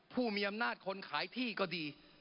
ผู้มีอำนาจคนขายที่ก็ดี